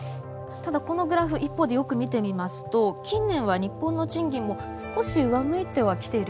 ただこのグラフ一方でよく見てみますと近年日本の賃金も少し上向いてはきているようですね。